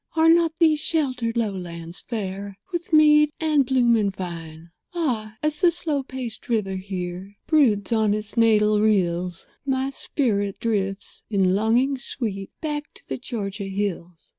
Are not these sheltered lowlands fair With mead and bloom and vine? Ah! as the slow paced river here Broods on its natal rills My spirit drifts, in longing sweet, Back to the Georgia hills.